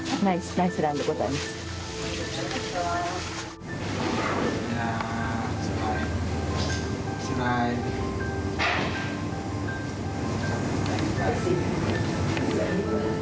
ナイスランでございます。